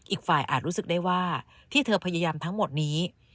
อีกฝ่ายอาจรู้สึกได้ว่าที่เธอพยายามทั้งหมดนี้